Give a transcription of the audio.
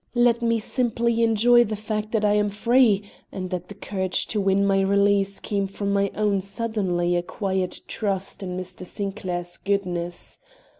Let me simply enjoy the fact that I am free and that the courage to win my release came from my own suddenly acquired trust in Mr. Sinclair's goodness.